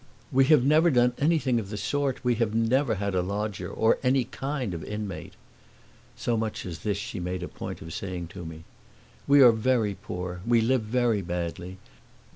"We have never done anything of the sort; we have never had a lodger or any kind of inmate." So much as this she made a point of saying to me. "We are very poor, we live very badly.